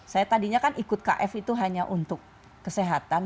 saya tadinya kan ikut kf itu hanya untuk kesehatan